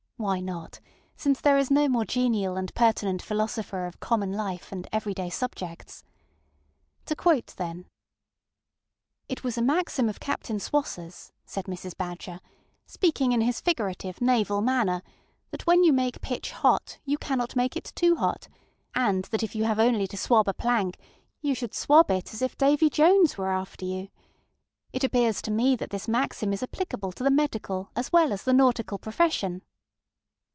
ŌĆØ Why not, since there is no more genial and pertinent philosopher of common life and every day subjects? To quote, thenŌĆö ŌĆ£It was a maxim of Captain SwosserŌĆÖs, ŌĆØ said Mrs. Badger, ŌĆ£speaking in his figurative, naval manner, that when you make pitch hot, you cannot make it too hot, and that if you have only to swab a plank, you should swab it as if Davy Jones were after you. It appears to me that this maxim is applicable to the medical as well as the nautical profession.